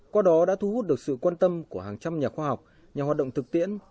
qua đó đã thu hút được sự quan tâm của hàng trăm nhà khoa học nhà hoạt động thực tiễn